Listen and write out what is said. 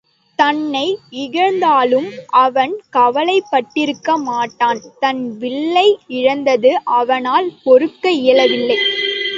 தன்னை இகழ்ந்தாலும் அவன் கவலைப்பட்டிருக்க மாட்டான் தன் வில்லை இகழ்ந்தது அவனால் பொறுக்க இயலவில்லை.